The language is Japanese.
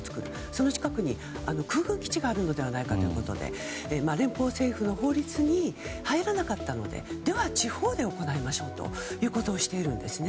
その近くに空軍基地があるのではないかということで連邦政府の法律に入らなかったのででは地方で行いましょうということをしているんです。